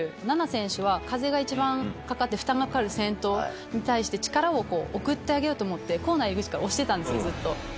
菜那選手は風が一番かかって負担がかかる先頭に対して、力を送ってあげようと思って、コーナー入り口から押してたんですよ、ずっと。